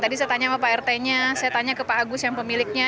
tadi saya tanya sama pak rt nya saya tanya ke pak agus yang pemiliknya